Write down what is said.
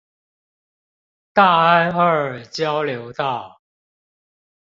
大安二交流道